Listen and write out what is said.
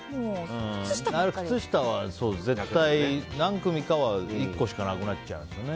靴下は絶対、何組かは１個しかなくなっちゃうんですよね。